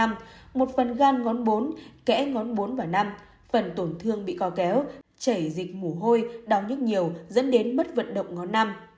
một phần gan ngón bốn kẽ ngón bốn và năm phần tổn thương bị co kéo chảy dịch mủ hôi đau nhức nhiều dẫn đến mất vận động ngón năm